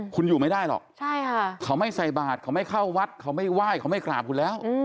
คุณอยู่ไม่ได้หรอกเขาไม่ใส่บาทเขาไม่เข้าวัดเขาไม่ไหว้เขาไม่กราบคุณแล้ว